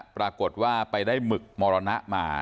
ปรากฏว่าไปได้หมึกมรณะมา